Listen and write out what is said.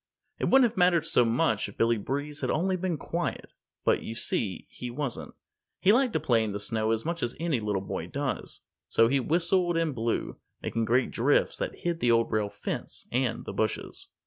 It wouldn't have mattered so much if Billy Breeze had only been quiet. But, you see, he wasn't. He liked to play in the snow as much as any little boy does. So he whistled and blew, making great drifts that hid the Old Rail Fence and the bushes.